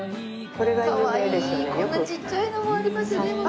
こんなちっちゃいのもありますよレモン。